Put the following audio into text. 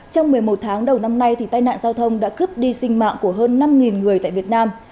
trong một mươi một tháng đầu năm nay tai nạn giao thông đã cướp đi sinh mạng của hơn năm người tại việt nam